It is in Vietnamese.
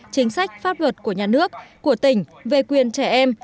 chính sách phát vượt của nhà nước của tỉnh về quyền trẻ em